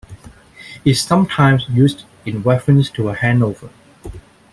It's sometimes used in reference to a hangover.